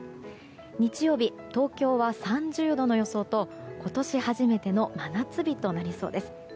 日曜日、東京は３０度の予想と今年初めての真夏日となりそうです。